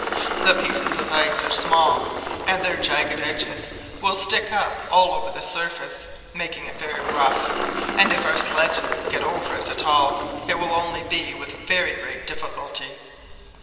The pieces of ice are small, and their jagged edges will stick up all over the surface, making it very rough, so that if our sledges get over it at all, it will only be with very great difficulty."